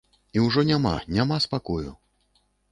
І ўжо няма, няма спакою!